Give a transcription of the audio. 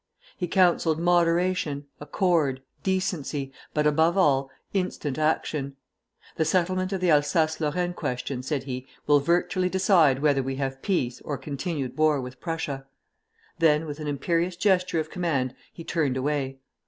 He counselled moderation, accord, decency, but above all, instant action. 'The settlement of the Alsace Lorraine question,' said he, 'will virtually decide whether we have peace or continued war with Prussia.' Then, with an imperious gesture of command, he turned away.